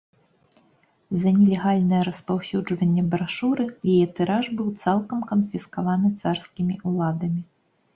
За нелегальнае распаўсюджванне брашуры яе тыраж быў цалкам канфіскаваны царскімі ўладамі.